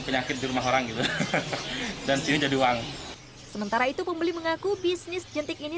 penyakit di rumah orang gitu dan sini jadi uang sementara itu pembeli mengaku bisnis jentik ini